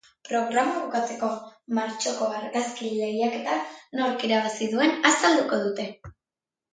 Programa bukatzeko, martxoko argazki-lehiaketa nork irabazi duen azalduko dute.